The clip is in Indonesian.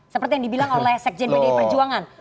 seperti yang dibilang oleh sekjen pdi perjuangan